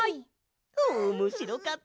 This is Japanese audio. おもしろかったな。